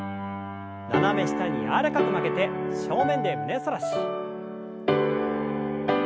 斜め下に柔らかく曲げて正面で胸反らし。